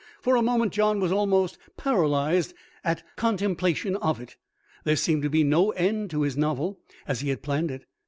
For a moment John was almost paralysed at contemplation of it. There seemed to be no end to his novel as he had planned it.